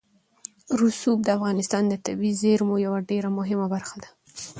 رسوب د افغانستان د طبیعي زیرمو یوه ډېره مهمه برخه ده.